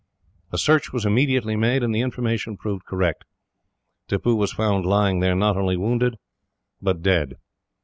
A search was immediately made, and the information proved correct. Tippoo was found lying there, not only wounded, but dead.